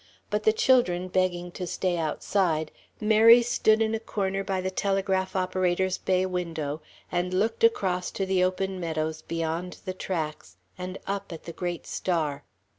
But the children begging to stay outside, Mary stood in a corner by the telegraph operator's bay window and looked across to the open meadows beyond the tracks and up at the great star.